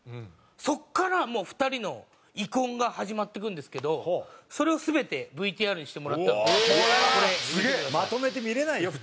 そこからもう２人の遺恨が始まってくるんですけどそれを全てＶＴＲにしてもらったのでこれ見てください。